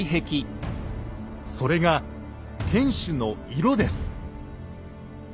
それが天主の色です。